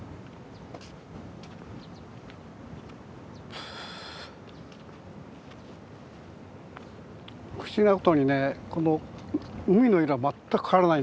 不思議なことにねこの海の色は全く変わらないんだよね。